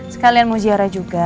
sekalian mau ziarah juga